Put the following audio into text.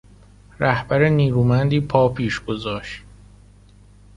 رهبر نیرومندی پا پیش گذاشت.